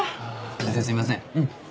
先生すいません。